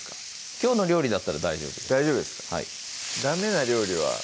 きょうの料理だったら大丈夫です大丈夫ですかダメな料理は？